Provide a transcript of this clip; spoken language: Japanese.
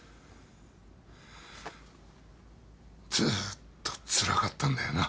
ずーっとつらかったんだよな。